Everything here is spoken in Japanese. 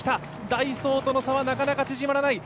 ダイソーとの差はなかなか縮まらない。